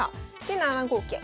で７五桂。